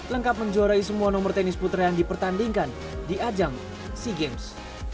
lengkap menjuarai semua nomor tenis putra yang dipertandingkan di ajang sea games